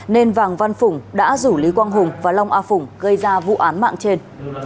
nên vàng văn phùng đã rủ lý quang hùng và long a phùng gây ra vụ án mạng trên